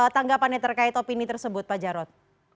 tanggapan yang terkait topi ini tersebut pak jarot